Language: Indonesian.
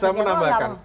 saya mau menambahkan